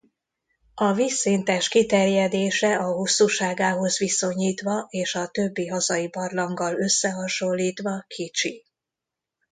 A vízszintes kiterjedése a hosszúságához viszonyítva és a többi hazai barlanggal összehasonlítva kicsi.